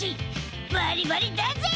バリバリだぜ！